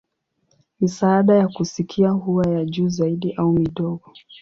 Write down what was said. Misaada ya kusikia huwa ya juu zaidi au midogo.